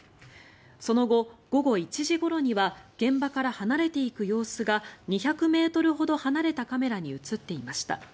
その後、午後１時ごろには現場から離れていく様子が２００ｍほど離れたカメラに映っていました。